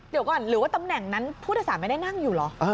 เดี๋ยวก่อนหรือว่าตำแหน่งนั้นผู้โดยสารไม่ได้นั่งอยู่เหรอ